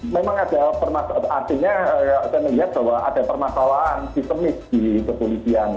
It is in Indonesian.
memang ada permasalahan sistemis di kepolisian